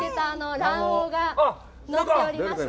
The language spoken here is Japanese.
卵黄がのっておりまして。